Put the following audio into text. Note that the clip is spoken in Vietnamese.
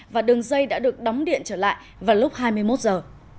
và đường dây đã được đóng điện trở lại vào lúc hai mươi một giờ